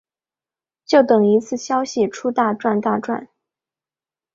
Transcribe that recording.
就等消息一出大赚特赚